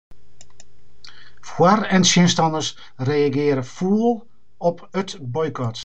Foar- en tsjinstanners reagearje fûl op de boykot.